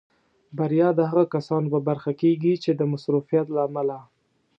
بریا د هغو کسانو په برخه کېږي چې د مصروفیت له امله.